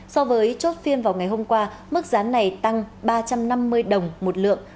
so với chốt phiên vào ngày hôm qua mức giá này tăng ba trăm năm mươi đồng một lượng